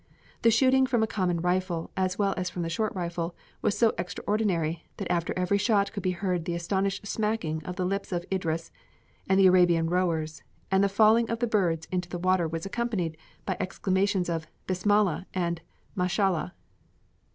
The shooting from a common rifle as well as from the short rifle was so extraordinary that after every shot could be heard the astonished smacking of the lips of Idris and the Arabian rowers, and the falling of the birds into the water was accompanied by exclamations of "Bismillah" and "Mashallah."